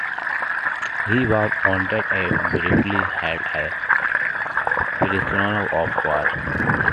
He was wounded and briefly held as a prisoner of war.